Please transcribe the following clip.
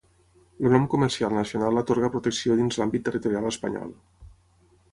El nom comercial nacional atorga protecció dins l'àmbit territorial espanyol.